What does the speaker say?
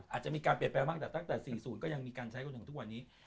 อาจจะมีการเปรียบแปลมากแต่ตั้งแต่สี่ศูนย์ก็ยังมีการใช้ของทุกวันนี้